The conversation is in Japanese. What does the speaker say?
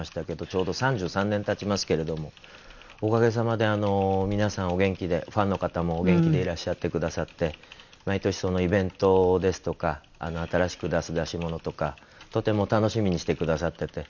ちょうど３３年経ちますけれどもおかげさまで皆さんお元気でファンの方もお元気でいらっしゃってくださって毎年イベントですとか新しく出す出し物とかとても楽しみにしてくださってて。